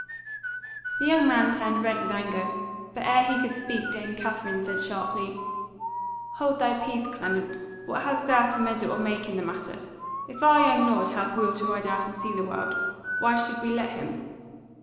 The young man turned red with anger; but ere he could speak Dame Katherine said sharply: "Hold thy peace, Clement! What hast thou to meddle or make in the matter? If our young lord hath will to ride out and see the world, why should we let him?